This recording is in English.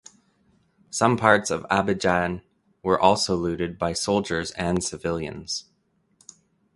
Some parts of Abidjan were also looted by soldiers and civilians.